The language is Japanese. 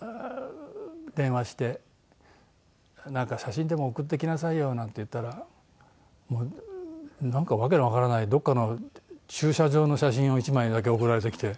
電話して「写真でも送ってきなさいよ」なんて言ったらなんか訳のわからないどこかの駐車場の写真を１枚だけ送られてきて。